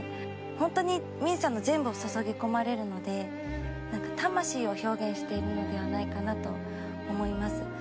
ほんとに泯さんの全部を注ぎ込まれるので魂を表現しているのではないかなと思います。